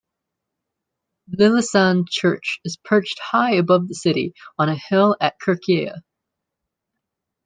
Lillesand Church is perched high above the city on a hill at Kirkeheia.